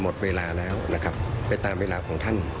สวัสดีครับทุกคน